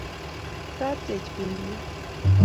katyech pelyot